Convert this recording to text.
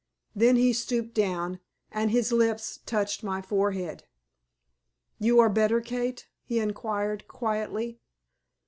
Then he stooped down, and his lips touched my forehead. "You are better, Kate?" he inquired, quietly.